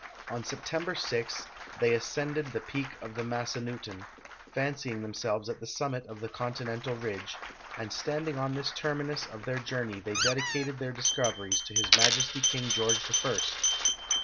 On .Sejitember 6. they ascended a peak of the Massanutten — fancying themselves at the summit of the continental ridge — and standing on this terminus of their journey they dedicated their discoveries to His Majesty King George the First.